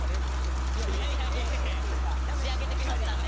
いやいやいや仕上げてきましたんで。